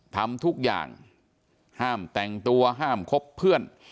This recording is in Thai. ทำทุกอย่างห้ามแต่งตัวห้ามคบเพื่อน